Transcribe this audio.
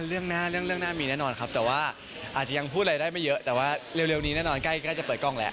เรื่องหน้าเรื่องหน้ามีแน่นอนครับแต่ว่าอาจจะยังพูดอะไรได้ไม่เยอะแต่ว่าเร็วนี้แน่นอนใกล้จะเปิดกล้องแล้ว